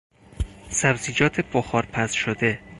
سبزیجات بخار پز شده